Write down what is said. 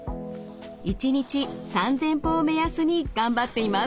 １日３，０００歩を目安に頑張っています。